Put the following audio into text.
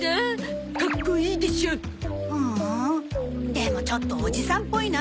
でもちょっとおじさんっぽいな。